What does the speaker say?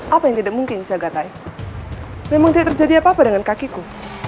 apa yang tidak mungkin saya gatai memang tidak terjadi apa apa dengan kakiku